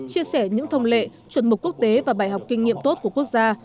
chia sẻ những thông lệ chuẩn mục quốc tế và bài học kinh nghiệm tốt của quốc gia